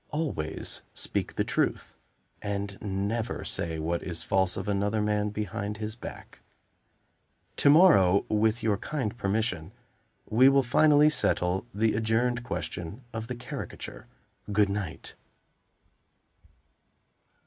Always speak the truth; and never say what is false of another man behind his back. To morrow, with your kind permission, we will finally settle the adjourned question of the caricature. Good night."